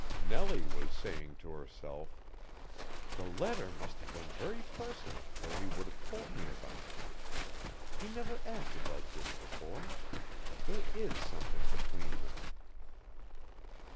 Nellie was saying to herself: "The letter must have been very personal or he would have told me about it. He never acted like this before. There is something between them."